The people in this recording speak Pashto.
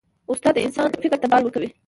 استاد د انسان فکر ته بال ورکوي.